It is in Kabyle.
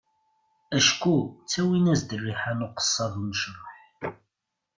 Acku ttawin-as-d rriḥa n uqessar d unecraḥ.